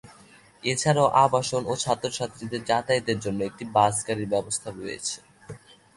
এছাড়াও আবাসন ও ছাত্র/ছাত্রীদের যাতায়াতের জন্য একটি বাস গাড়ির ব্যবস্থা রয়েছে।